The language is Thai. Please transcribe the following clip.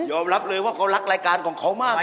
รับเลยว่าเขารักรายการของเขามาก